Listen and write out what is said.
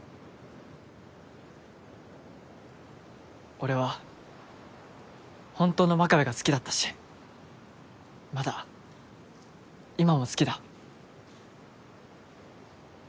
俺はホントの真壁が好きだったしまだ今も好きだ。